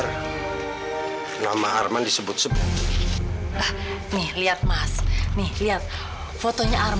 sampai jumpa di video selanjutnya